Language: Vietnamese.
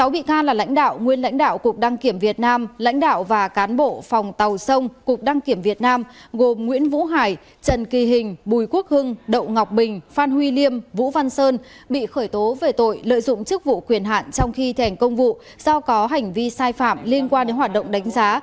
sáu bị can là lãnh đạo nguyên lãnh đạo cục đăng kiểm việt nam lãnh đạo và cán bộ phòng tàu sông cục đăng kiểm việt nam gồm nguyễn vũ hải trần kỳ hình bùi quốc hưng đậu ngọc bình phan huy liêm vũ văn sơn bị khởi tố về tội lợi dụng chức vụ quyền hạn trong khi thành công vụ do có hành vi sai phạm liên quan đến hoạt động đánh giá